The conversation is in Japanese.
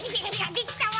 できたわ。